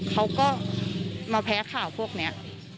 เขาก็มาแพ้ข่าวพวกนี้